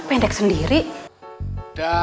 kemelas kele sue di karma